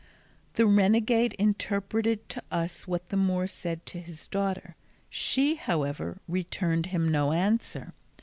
The renegade interpreted to us what the Moor said to his daughter; she, however, returned him no answer.